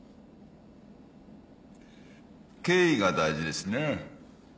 経緯が大事ですね。